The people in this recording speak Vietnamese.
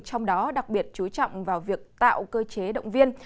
trong đó đặc biệt chú trọng vào việc tạo cơ chế động viên